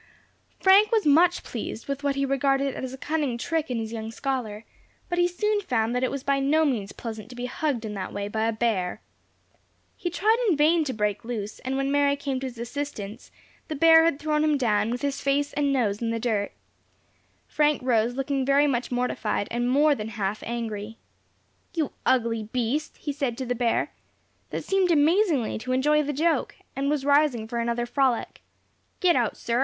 Frank was much pleased with what he regarded as a cunning trick in his young scholar; but he soon found that it was by no means pleasant to be hugged in that way by a bear. He tried in vain to break loose, and when Mary came to his assistance, the bear had thrown him down, with his face and nose in the dirt. Frank rose, looking very much mortified, and more than half angry. "You ugly beast," he said to the bear, that seemed amazingly to enjoy the joke, and was rising for another frolic. "Get out, sir.